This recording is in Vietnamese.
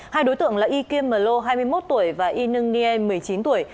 hai đối tượng là y kim mờ lô hai mươi một tuổi và y nương nghê một mươi chín tuổi